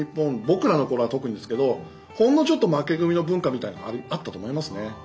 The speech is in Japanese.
僕らの頃は特にですけどほんのちょっと「負け組の文化」みたいなのがあったと思いますね。